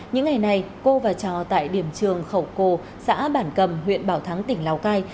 những ngày này cô và trò tại điểm trường khẩu cô xã bản cầm huyện bảo thắng tỉnh lào cai